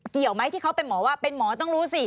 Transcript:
เกี่ยวไหมที่เขาเป็นหมอว่าเป็นหมอต้องรู้สิ